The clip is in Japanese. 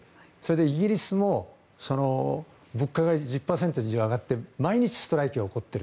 イギリスも物価が１０％以上、上がっていて毎日ストライキが起こっている。